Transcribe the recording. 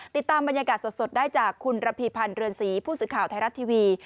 ติดตามบรรยากาศสดได้จากคุณระพีพันธ์เรือนศรีผู้สื่อข่าวไทยรัฐทีวี